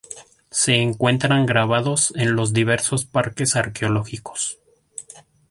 Se encuentran grabados en los diversos Parques Arqueológicos.